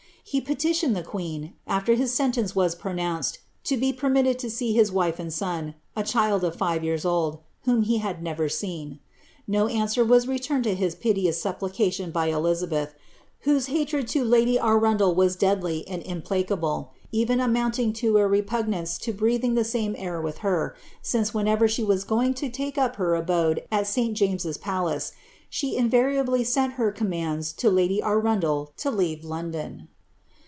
He peti* Uoned the queen, after his sentence was pronounced, to be permitted to lee his wife and son, a child of five years old, whom he had never seen. So answer was returned to his piteous supplication by Elizabeth, whose batred to lady Arundel was deadly and implacable, even amounting to a repugnance to breathing the same air with her, since whenever she was ping to take up her abode at St. James's palace, she invariably sent her Dommands to lady Arundel to leave London.'